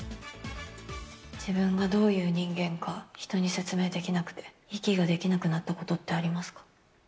自分がどういう人間か、人に説明できなくて、息ができなくなったことってありますか？